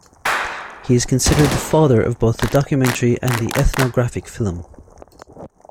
He is considered the "father" of both the documentary and the ethnographic film.